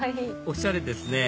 おしゃれですね